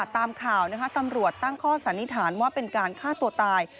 ตามข่าวนะคะตำรวจตั้งข้อสันนิษฐานว่าเป็นการฆ่าตัวตาย